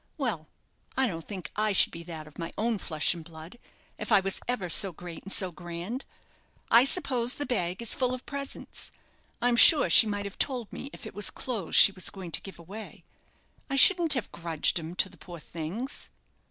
Well, I don't think I should be that of my own flesh and blood, if I was ever so great and so grand. I suppose the bag is full of presents I'm sure she might have told me if it was clothes she was going to give away; I shouldn't have grudged 'em to the poor things."